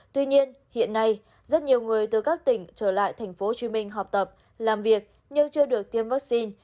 tuy nhiên hiện nay rất nhiều người từ các tỉnh trở lại tp hcm học tập làm việc nhưng chưa được tiêm vaccine